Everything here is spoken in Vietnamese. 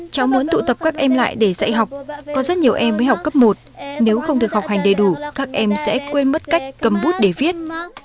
cháu muốn tụ tập các em lại để dạy học có rất nhiều em mới học cấp một nếu không được học hành đầy đủ các em sẽ quên mất cách cầm bút để viết